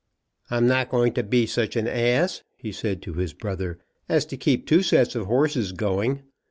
"I'm not going to be such an ass," he said to his brother, "as to keep two sets of horses going.